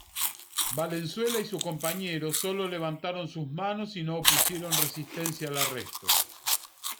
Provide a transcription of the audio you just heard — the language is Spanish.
Valenzuela y su compañero solo levantaron sus manos y no opusieron resistencia al arresto.